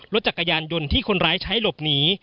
รถจักรยานยนต์ที่คนร้ายใช้หลบหนี